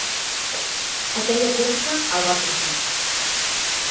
Aquella cursa el va cruixir.